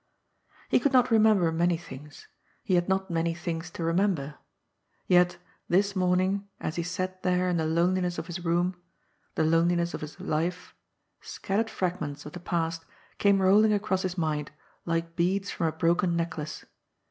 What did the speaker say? He could not remember many things, he had not many things to remember ; yet this morning, as he sat there in the loneliness of his room — the loneliness of his life — scat tered fragments of the past came rolling across his mind like beads from a broken necklace.